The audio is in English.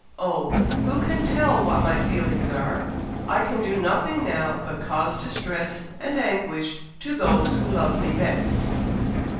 Oh! who can tell what my feelings are! I can do nothing now but cause distress and anguish to those who love me best!"